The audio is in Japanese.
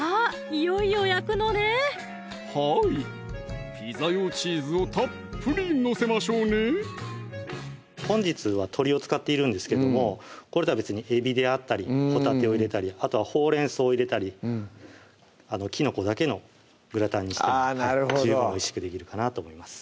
いよいよ焼くのねはいピザ用チーズをたっぷり載せましょうね本日は鶏を使っているんですけどもこれとは別にえびであったりほたてを入れたりあとはほうれんそうを入れたりきのこだけのグラタンにしてもあぁなるほど十分おいしくできるかなと思います